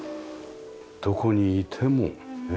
どこにいてもねえ。